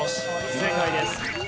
正解です。